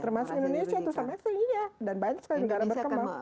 termasuk indonesia itu sama asia dan banyak sekali negara berkembang